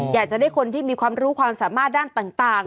อยากจะได้คนที่มีความรู้ความสามารถด้านต่าง